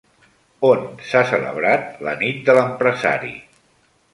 On s'ha celebrat la Nit de l'Empresari?